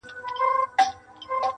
o غر پر غره نه ورځي، سړى پر سړي ورځي!